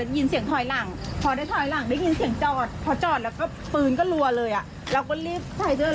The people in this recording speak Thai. มันก็รีบออกขับออกไปแล้วว่า